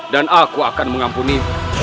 dan aku akan mengampuni